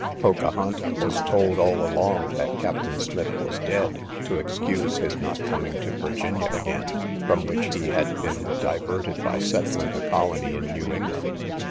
Pocahonta was told all along that Captain Smith was dead, to excuse his not coming to Virginia again; from which he had been diverted by settling a colony in New England.